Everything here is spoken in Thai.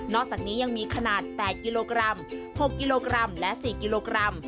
อกจากนี้ยังมีขนาด๘กิโลกรัม๖กิโลกรัมและ๔กิโลกรัม